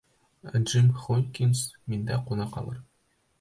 Ә Джим Хокинс миндә ҡуна ҡалыр.